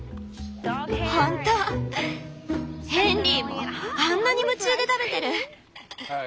ヘンリーもあんなに夢中で食べてる。